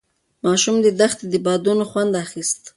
ماشوم د دښتې د بادونو خوند اخیست.